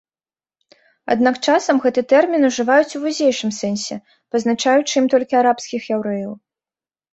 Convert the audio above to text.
Аднак часам гэты тэрмін ужываюць у вузейшым сэнсе, пазначаючы ім толькі арабскіх яўрэяў.